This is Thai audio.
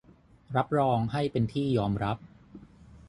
รับรองให้เป็นที่ยอมรับ